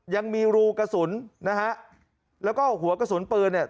ยังมีรูกระสุนนะฮะแล้วก็หัวกระสุนปืนเนี่ย